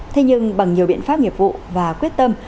thế nhưng bằng nhiều biện pháp nghiệp vụ và quyết tâm